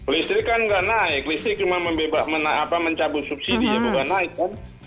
listrik kan nggak naik listrik cuma mencabut subsidi ya bukan naik kan